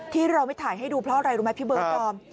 ที่เราไม่ถ่ายให้ดูเพราะอะไรรู้ไหมพี่เบิร์ดดอม